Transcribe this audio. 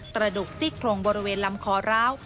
กระดูกซี่โครงบริเวณลำคอร้าว